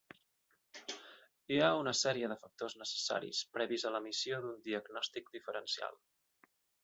Hi ha una sèrie de factors necessaris previs a l'emissió d'un diagnòstic diferencial.